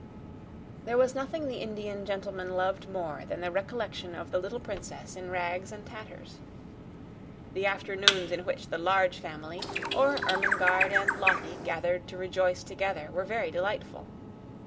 There was nothing the Indian gentleman loved more than the recollection of the little princess in rags and tatters. The afternoons in which the Large Family, or Ermengarde and Lottie, gathered to rejoice together were very delightful.